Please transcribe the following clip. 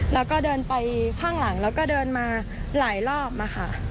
แล้วก็เดินไปข้างหลังแล้วก็เดินมาหลายรอบมาค่ะ